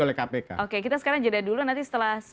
oleh kpk oke kita sekarang jeda dulu nanti setelah